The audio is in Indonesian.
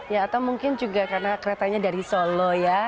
ya atau mungkin juga karena keretanya dari solo ya